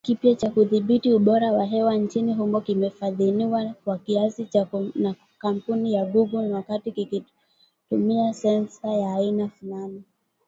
Kifaa kipya cha kudhibiti ubora wa hewa nchini humo kimefadhiliwa kwa kiasi na kampuni ya Google, wakati kikitumia sensa ya aina fulani.